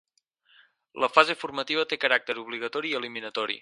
La fase formativa té caràcter obligatori i eliminatori.